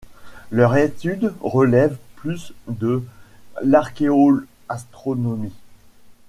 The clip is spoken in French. Leur étude relève plus de l'archéoastronomie.